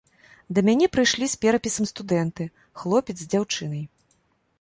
Да мяне прыйшлі з перапісам студэнты, хлопец з дзяўчынай.